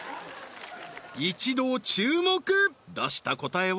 一同注目出した答えは？